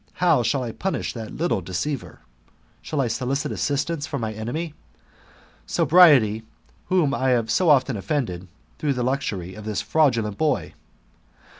How shall I punish that little deceiver? Shall I solicit assistance of my enemy Sobriety, whom I have so often offended through the luxury of this fraudulent boy